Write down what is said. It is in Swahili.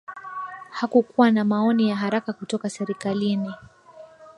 Hakukuwa na maoni ya haraka kutoka serikalini